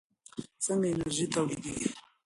څنګه انرژي تولیدېږي؟